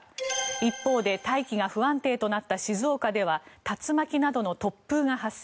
一方で大気が不安定となった静岡では竜巻などの突風が発生。